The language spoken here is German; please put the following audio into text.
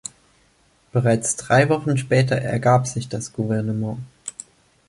Bereits drei Wochen später ergab sich das Gouvernement.